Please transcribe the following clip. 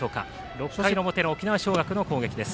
６回、沖縄尚学の攻撃です。